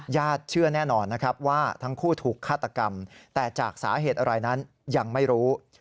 ญาติเชื่อแน่นอนนะครับว่าทั้งคู่ถูกฆาตกรรมแต่จากสาเหตุอะไรนั้นยังไม่รู้